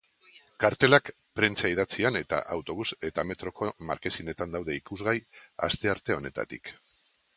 Kartelak prentsa idatzian eta autobus eta metroko markesinetan daude ikusgai, astearte honetatik.